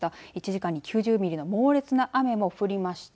１時間に９０ミリの猛烈な雨も降りました。